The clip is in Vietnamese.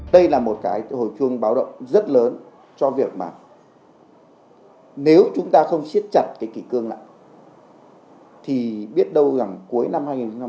đây là một cái hồi chuông báo động rất lớn cho việc mà nếu chúng ta không siết chặt cái kỷ cương lại thì biết đâu rằng cuối năm hai nghìn một mươi tám